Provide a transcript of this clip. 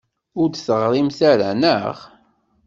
Ur d-teɣrimt ara, naɣ?